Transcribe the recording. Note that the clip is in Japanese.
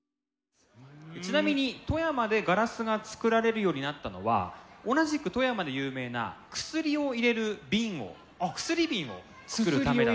ちなみに富山でガラスが作られるようになったのは同じく富山で有名な薬を入れる瓶を薬瓶を作るためだった。